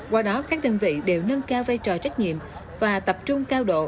qua đó các đơn vị đều nâng cao vai trò trách nhiệm và tập trung cao độ